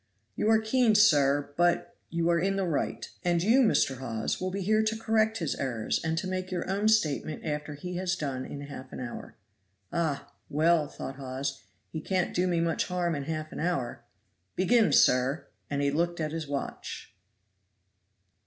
"You are keen, sir, but you are in the right; and you, Mr. Hawes, will be here to correct his errors and to make your own statement after he has done in half an hour." "Ah! well," thought Hawes, "he can't do me much harm in half an hour." "Begin, sir!" and he looked at his watch.